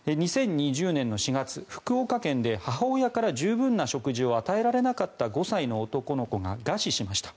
２０２０年の４月福岡県で母親から十分な食事を与えられなかった５歳の男の子が餓死しました。